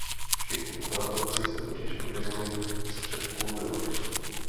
Všichni obratlovci se totiž vyvinuli z předků ve vodě.